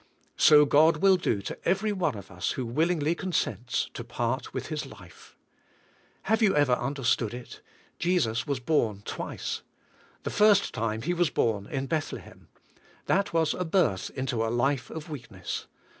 So God will do to every one of us who willingly consents to part with his life. Have you ever understood it ? Jesus was born twice. The first time He was born in Bethlehem. That was a birth into a life of weakness.